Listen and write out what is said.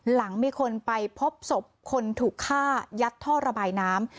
หลังมีคนไปพบศพคนถูกฆ่ายัดท่อระบายน้ำ